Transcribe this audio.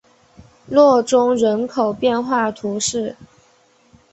洛宗人口变化图示